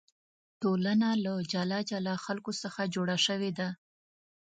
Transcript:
ټولنه له جلا جلا خلکو څخه جوړه شوې ده.